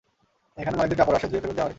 এখানে মালিকদের কাপড় আসে, ধুয়ে ফেরত দেয়া হয়।